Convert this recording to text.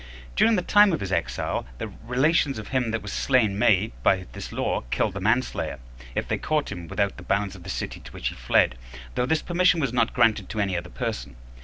During the time of his exile, the relations of him that was slain may, by this law, kill the manslayer, if they caught him without the bounds of the city to which he fled, though this permission was not granted to any other person.